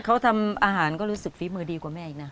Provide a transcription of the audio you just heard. เขาทำอาหารก็รู้สึกฝีมือดีกว่าแม่อีกนะ